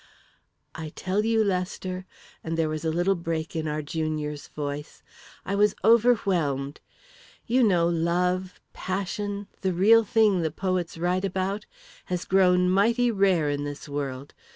"I tell you, Lester," and there was a little break in our junior's voice, "I was overwhelmed. You know, love passion the real thing the poets write about has grown mighty rare in this world.